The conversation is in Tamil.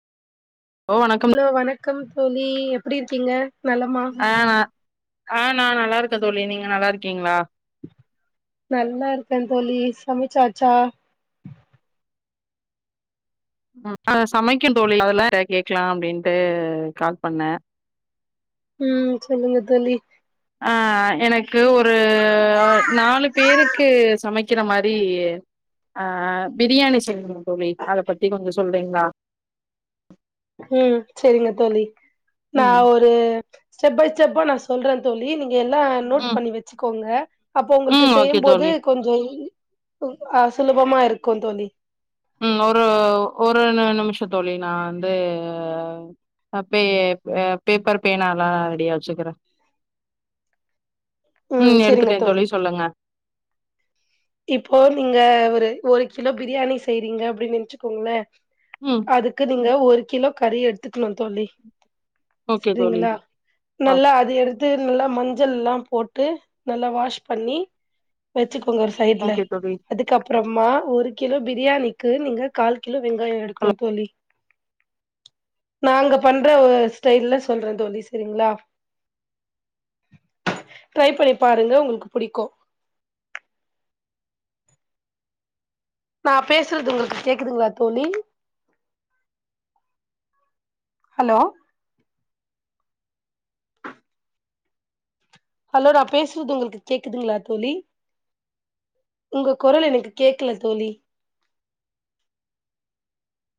ஓ வணக்கம் ஹலோ வணக்கம் தோழி எப்டி இருக்கீங்க நலமா ஆ நா ஆ நா நல்லா இருக்கே தோழி நீங்க நல்லா இருக்கீங்களா நல்லா இருக்கே தோழி சமைச்சாச்சா அ ஆ சமைக்கு தோழி அதெல்ல டே கேக்லா அப்டின்ட்டு கால் பண்ணே உம் சொல்லுங்க தோழி ஆ எனக்கு ஒரு நாலு பேருக்கு சமைக்கிற மாரி ஆ பிரியாணி செய்யனு தோழி அத பத்தி கொஞ்சோ சொல்றீங்களா உம் செரிங்க தோழி நா ம் ஒரு ஸ்டெப் பை ஸ்டெப்பா நாச் சொல்றே தோழி நீங் க எல்லா நோட் ம் பண்ணி வச்சுக்கோங்க அப்போ ம் உங்களுக்கு ஓகே செய்யும்போது தோழி கொஞ்சோ இ உம் ஆ சுலபமா இருக்கு தோழி உம் ஒரு ஒரு ந நிமிஷே தோழி நா வந்து அ பே பேப்பர் பேனா எல்லா ரெடியா வச்சுக்குறே ம் உம் செரிங்க எடுத்துட்டே தொழி தோழி சொல்லுங்க இப்போ நீங்க ஒரு ஒரு கிலோ பிரியாணி செய்றீங்க அப்டின்னு நென்ச்சுக்கோங்ளே ம் அதுக்கு நீங்க ஒரு கிலோ கறி எடு கிலோன் தோழி ஓகே தோழி செரிங்களா ஆ நல்லா அது எடுத்து நல்லா மந் சல்லாம் போட்டு நல்லா வாஷ் பண்ணி வெச்சுக்கோங்க சைடுல ஓகே தோழி அதுக்கப்புறமா ஒரு கிலோ பிரியாணிக்கு நீங்க கால் கிலோ வெங்காயோ எடுக்கணு தோழி நாங்க பண்ற ஓ ஸ்டைல்ல சொல்றே தோழி செரிங்ளா ட்ரை பண்ணி பாருங்க உங்களுக்கு புடிக்கு நா பேசுறது உங்களுக்கு கேக்குதுங்ளா தோழி ஹலோ ஹலோ நா பேசுறது உங்களுக்கு கேக்குதுங்களா தோழி உங்க குரல் எனக்கு கேக்கல தோழி